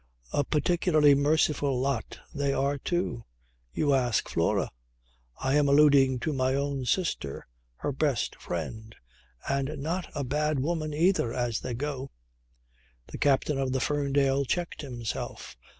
A particularly merciful lot they are too. You ask Flora. I am alluding to my own sister, her best friend, and not a bad woman either as they go." The captain of the Ferndale checked himself.